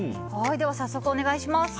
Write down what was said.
早速、お願いします。